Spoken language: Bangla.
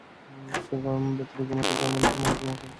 এতে ভেতরে ঘুমাতে যাওয়া মানুষের মধ্যে মহাকাশ ভ্রমণের অনুভূতি তৈরি হবে।